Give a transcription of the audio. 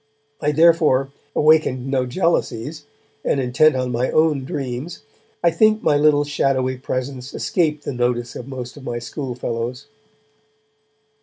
I, therefore, awakened no jealousies, and, intent on my own dreams, I think my little shadowy presence escaped the notice of most of my schoolfellows.